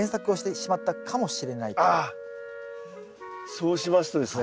そうしますとですね